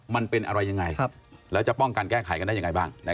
มันเป็นอะไรยังไงแล้วจะป้องกันแก้ไขกันได้ยังไงบ้าง